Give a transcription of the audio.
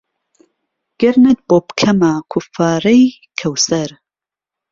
گەرنت بۆ پکهمه کوففارەی کهوسەر